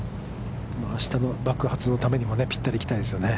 あしたの爆発のためにもぴったり行きたいですね。